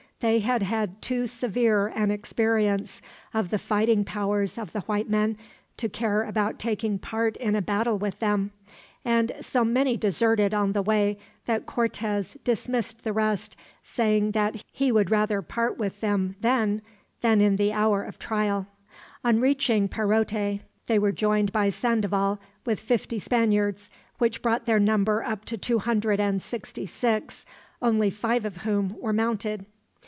They had had too severe an experience of the fighting powers of the white men to care about taking part in a battle with them, and so many deserted on the way that Cortez dismissed the rest, saying that he would rather part with them, then, than in the hour of trial. On reaching Perote they were joined by Sandoval with fifty Spaniards, which brought their number up to two hundred and sixty six, only five of whom were mounted.